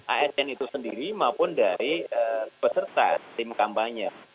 asn itu sendiri maupun dari peserta tim kampanye